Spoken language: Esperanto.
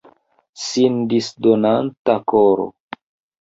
Sin disdonanta koro.